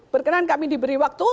berkenan kami diberi waktu